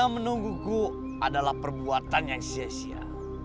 jangan menunguku adalah perbuatan yang sia sia